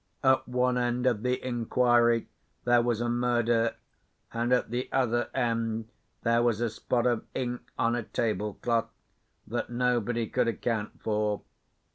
"At one end of the inquiry there was a murder, and at the other end there was a spot of ink on a table cloth that nobody could account for.